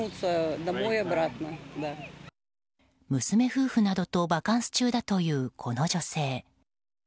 娘夫婦などとバカンス中だという、この女性。